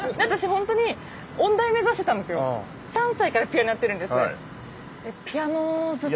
本当に３歳からピアノやってるんです。